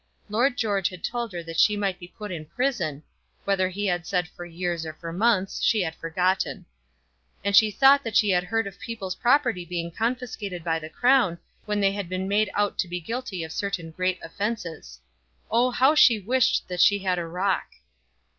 Lord George had told her that she might be put in prison, whether he had said for years or for months she had forgotten. And she thought she had heard of people's property being confiscated to the Crown when they had been made out to be guilty of certain great offences. Oh, how she wished that she had a rock!